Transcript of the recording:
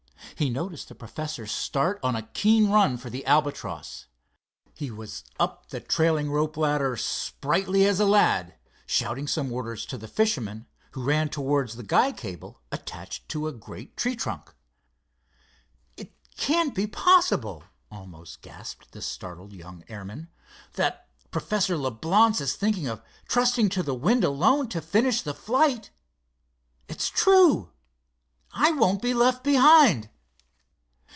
He noticed the professor start on a keen run for the Albatross. He was up the trailing rope ladder sprightly as a lad, shouting some orders to the fisherman, who ran towards the guy cable attached to a great tree trunk. "It can't be possible," almost gasped the startled young airman, "that Professor Leblance is thinking of trusting to the wind alone to finish the flight. It's true! I won't be left behind!"